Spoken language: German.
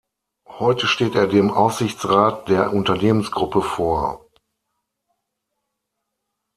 Heute steht er dem Aufsichtsrat der Unternehmensgruppe vor.